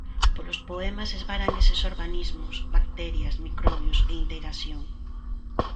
Polos poemas esvaran eses organismos, bacterias, microbios en interacción.